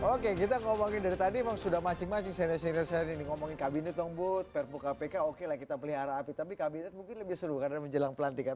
oke kita ngomongin dari tadi sudah macing macing seri seri ini ngomongin kabinet dong bud perpuk kpk oke lah kita pelihara api tapi kabinet mungkin lebih seru karena menjelang pelantikan